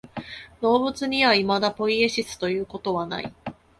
動物にはいまだポイエシスということはない。